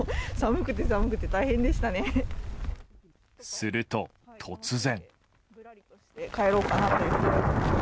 すると、突然。